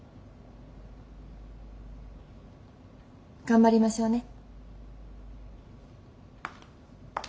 頑張りましょうね。